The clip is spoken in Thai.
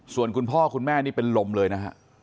ส่วนคุณพ่อคุณแม่นี่เป็นลมเลยนะฮะ